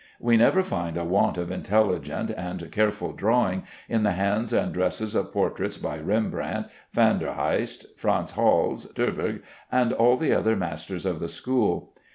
We never find a want of intelligent and careful drawing in the hands and dresses of portraits by Rembrandt, Van der Heist, Franz Hals, Terburg, and all the other masters of the school.